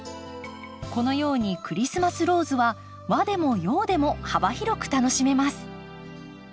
このようにクリスマスローズは和でも洋でも幅広く楽しめます。